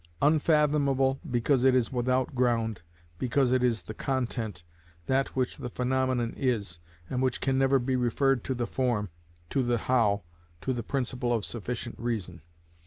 Unfathomable because it is without ground, because it is the content, that which the phenomenon is, and which can never be referred to the form, to the how, to the principle of sufficient reason.